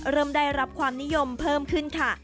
เริ่มได้รับความนิยมเพิ่มขึ้นค่ะ